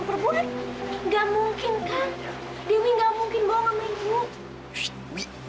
dewi gak mungkin gua sama ibu